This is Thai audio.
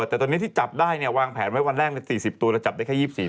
แต่ตอนนี้ที่จับได้เนี่ยวางแผนไว้วันแรก๔๐ตัวเราจับได้แค่๒๔คน